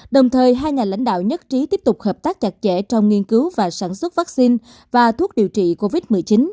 đồng thời hai nhà lãnh đạo nhất trí tiếp tục hợp tác chặt chẽ trong nghiên cứu và sản xuất vaccine và thuốc điều trị covid một mươi chín